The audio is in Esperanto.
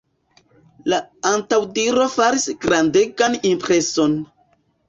La antaŭdiro faris grandegan impreson.